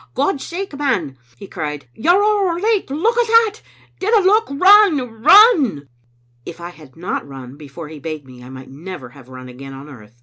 "God's sake, man," he cried, "you're ower late. Look at that! Dinna look — run, run! " If I had not run before he bade me, I might never have run again on earth.